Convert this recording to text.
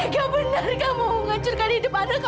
tidak benar kamu menghancurkan hidup anak kamu